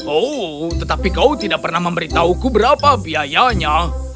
oh tetapi kau tidak pernah memberitahuku berapa biayanya